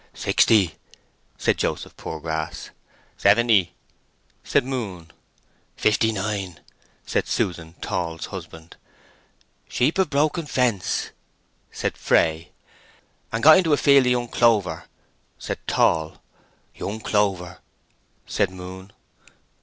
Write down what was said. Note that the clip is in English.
"Sixty!" said Joseph Poorgrass. "Seventy!" said Moon. "Fifty nine!" said Susan Tall's husband. "—Sheep have broke fence," said Fray. "—And got into a field of young clover," said Tall. "—Young clover!" said Moon.